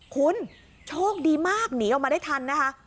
คุณโชคดีมากหนีออกมาได้ทันนะคะ